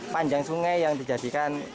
panjang sungai yang dijadikan